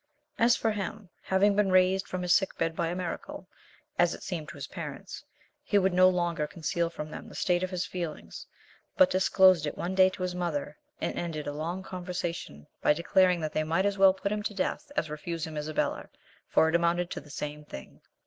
As for him, having been raised from his sick bed by a miracle, as it seemed to his parents, he would no longer conceal from them the state of his feelings, but disclosed it one day to his mother, and ended a long conversation by declaring that they might as well put him to death as refuse him Isabella, for it amounted to the same thing.